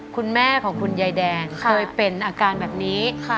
คุณแม่ของคุณยายแดงเคยเป็นอาการแบบนี้